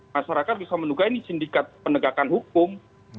masyarakat bisa menduga ini sindikat penegakan hukum